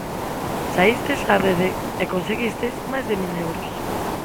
Saístes á rede e conseguistes máis de mil euros.